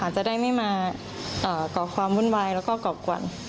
จะได้ไม่มาก่อความวุ่นวายแล้วก็ก่อกวน